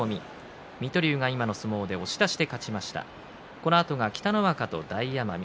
このあとが北の若と大奄美。